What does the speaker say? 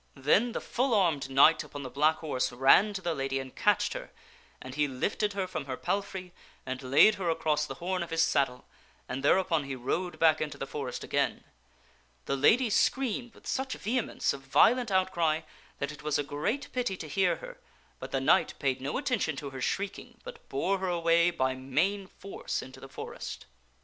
Then the full armed knight upon the black horse ran to the lady and catched her, and he lifted her from her palfrey and laid her across the horn of his saddle, and thereupon he rode back into the forest again. The lady screamed with such vehemence of violent and g his 'court outcry, that it was a great pity to hear her, but the knight beholda knight J . i carry off a paid no attention to her shrieking, but bore her away by main lady prisoner. force into the forest.